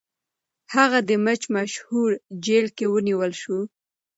هغه د مچ مشهور جیل کې ونیول شو.